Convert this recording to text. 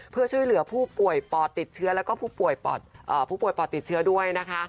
เพื่อช่วยเหลือผู้ป่วยปอดติดเชื้อแล้วก็ผู้ป่วยปอดติดเชื้อด้วยนะคะ